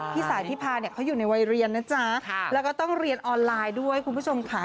สายพิพาเนี่ยเขาอยู่ในวัยเรียนนะจ๊ะแล้วก็ต้องเรียนออนไลน์ด้วยคุณผู้ชมค่ะ